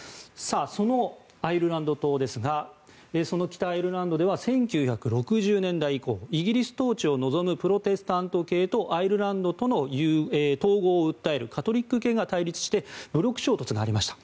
そのアイルランド島ですが北アイルランドでは１９６０年代以降イギリス統治を望むプロテスタント系とアイルランドとの統合を訴えるカトリック系が対立して武力衝突がありました。